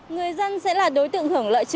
người dân sẽ là đối tượng hưởng lợi